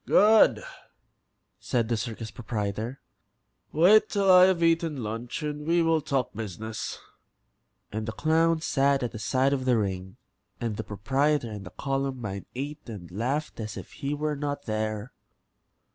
"Good," said the circus proprietor. "Wait till I have eaten lunch and we will talk business." And the clown sat at the side of the ring, and the proprietor and the Columbine ate and laughed as if he were not there.